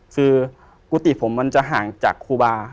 คือกุฏิผมมันจะห่างจากครูบา